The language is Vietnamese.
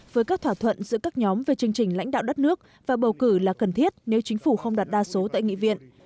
với các thỏa thuận giữa các nhóm về chương trình lãnh đạo đất nước và bầu cử là cần thiết nếu chính phủ không đặt đa số tại nghị viện